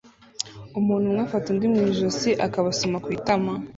Umuntu umwe afata undi muntu mu ijosi akabasoma ku itama